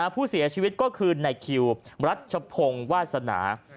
ผู้เสียชีวิตก็คือในคิวรัชพงศ์วาสนา